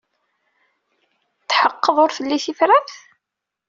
Tetḥeqqeḍ ur telli tifrat?